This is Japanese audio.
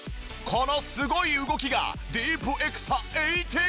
このすごい動きがディープエクサ１８！